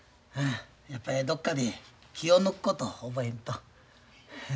どっかで気を抜くこと覚えんと。